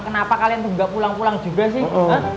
kenapa kalian tuh nggak pulang pulang juga sih